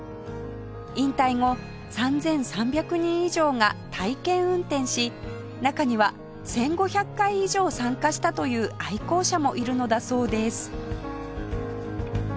引退後３３００人以上が体験運転し中には１５００回以上参加したという愛好者もいるのだそうです